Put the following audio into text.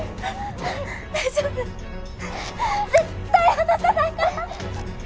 大丈夫絶対離さないから！